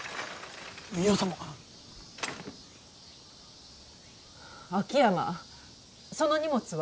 宮様ッ秋山その荷物は？